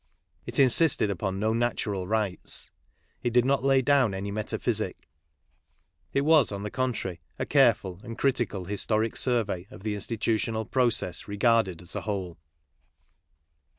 It insisted upon no natural rights. It did not lay down any metaphysic. It was, on the contrary, a careful and critical historic survey of the institutional process regarded as a whole.